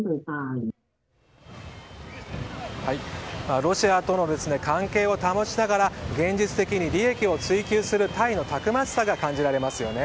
ロシアとの関係を保ちながら現実的に利益を追求するタイのたくましさが感じられますよね。